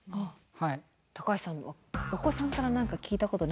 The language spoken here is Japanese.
高橋さんはお子さんから何か聞いたことないですか？